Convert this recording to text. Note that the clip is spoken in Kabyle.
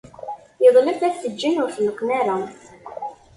Yeḍleb ad t-ǧǧen ur t-neqqen ara.